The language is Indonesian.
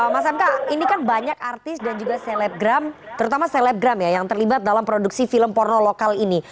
mas mk ini kan banyak artis dan juga selebgram terutama selebgram ya yang terlibat dalam produksi film porno lokal ini